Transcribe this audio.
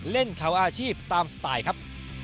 เล่นเขาอาชีพตามสไตล์ครับ